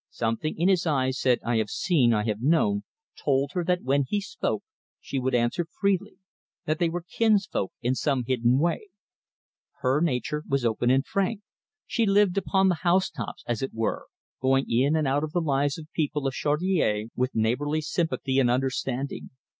Something in his eyes said, "I have seen, I have known," told her that when he spoke she would answer freely, that they were kinsfolk in some hidden way. Her nature was open and frank; she lived upon the house tops, as it were, going in and out of the lives of the people of Chaudiere with neighbourly sympathy and understanding.